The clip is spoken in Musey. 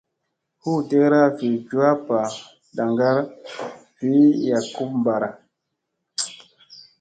Huu deera vi jowappa ndaŋgar vi yakumbara.